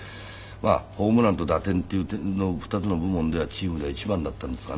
まあホームランと打点っていう２つの部門ではチームでは一番だったんですがね。